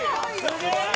・すげえ！